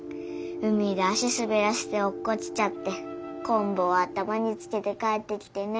海で足すべらせておっこちちゃってこんぶを頭につけて帰ってきてね。